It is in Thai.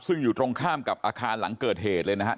ซึ่งอยู่ตรงข้ามกับอาคารหลังเกิดเหตุเลยนะครับ